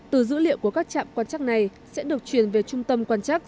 từ dữ liệu của các trạm quan chắc này sẽ được truyền về trung tâm quan chắc